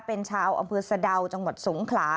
เป็นชาวอำเภอสะดาวจังหวัดสงขลา